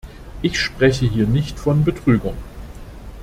Ich spreche hier nicht von Betrügern.